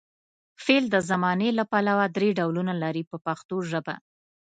فعل د زمانې له پلوه درې ډولونه لري په پښتو ژبه.